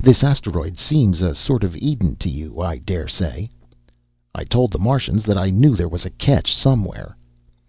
This asteroid seems a sort of Eden to you, I daresay." "I told the Martians that I knew there was a catch somewhere."